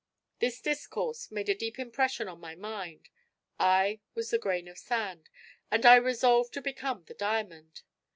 This discourse made a deep impression on my mind. I was the grain of sand, and I resolved to become the diamond.